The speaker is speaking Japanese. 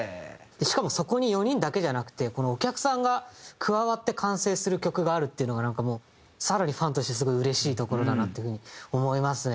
しかもそこに４人だけじゃなくてお客さんが加わって完成する曲があるっていうのがなんかもう更にファンとしてすごいうれしいところだなっていう風に思いますね